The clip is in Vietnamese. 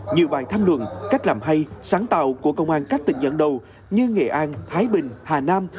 nhiều bài tham luận cách làm hay sáng tạo của công an các tỉnh dẫn đầu như nghệ an thái bình hà nam